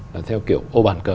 là theo kiểu ô bàn cờ